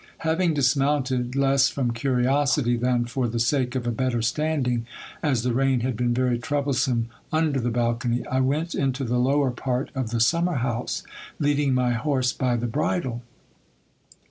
Having dis mounted, less from curiosity than for the sake of a better standing, as the rain had been very troublesome under the balcony, I went into the lower part of the summer house, leading my horse by the bridle.